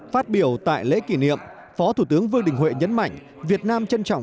phát biểu tại lễ kỷ niệm phó thủ tướng vương đình huệ nhấn mạnh việt nam trân trọng